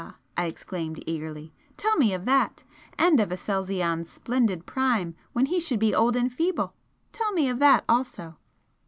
I exclaimed eagerly "Tell me of that! And of Aselzion's splendid prime when he should be old and feeble? Tell me of that also!"